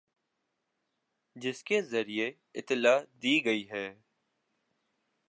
جس کے ذریعے اطلاع دی گئی ہے